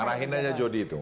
marahin aja jody itu